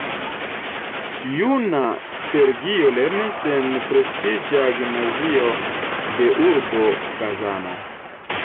Juna Sergio lernis en prestiĝa gimnazio de urbo Kazano.